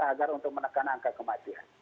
agar untuk menekan angka kematian